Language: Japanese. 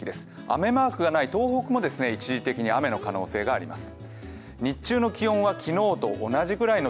雨マークがない東北も一時的に雨の可能性があります。